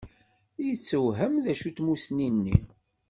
Yettewhem d acu n tmussni-nni.